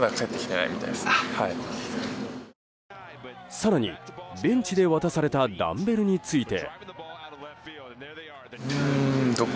更に、ベンチで渡されたダンベルについて。